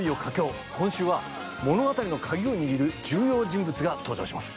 今週は物語の鍵を握る重要人物が登場します。